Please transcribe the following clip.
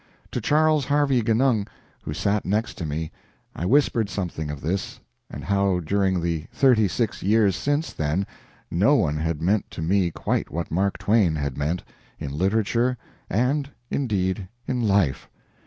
To Charles Harvey Genung, who sat next to me, I whispered something of this, and how during the thirty six years since then no one had meant to me quite what Mark Twain had meant in literature and, indeed, in life.